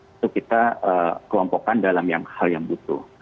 itu kita kelompokkan dalam hal yang butuh